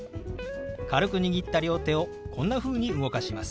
軽く握った両手をこんなふうに動かします。